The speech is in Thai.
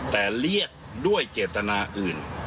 แต่เรียกด้วยเจตนาอื่น